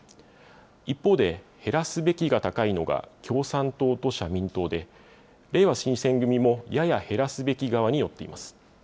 一方で、減らすべきが高いのが、共産党と社民党で、れいわ新選組もやや減らすべき側に寄っています。